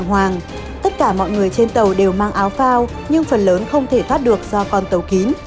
hoàng tất cả mọi người trên tàu đều mang áo phao nhưng phần lớn không thể thoát được do con tàu kín